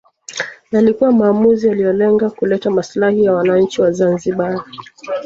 Yalikuwa maamuzi yaliyolenga kuleta maslahi ya wananchi wa Zanzibar